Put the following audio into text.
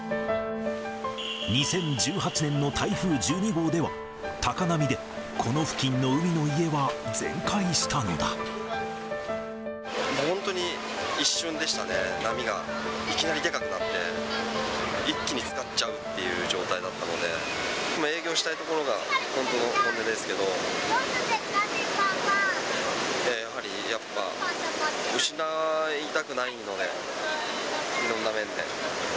２０１８年の台風１２号では、高波でこの付近の海の家は全壊し本当に一瞬でしたね、波がいきなりでかくなって、一気につかっちゃうという状態だったので、営業したいところがほんとの本音ですけど、やはり、やっぱ、失いたくないので、いろんな面で。